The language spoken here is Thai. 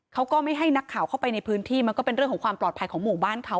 เขาก็ไม่ให้นักข่าวเข้าไปในพื้นที่มันก็เป็นเรื่องของความปลอดภัยของหมู่บ้านเขา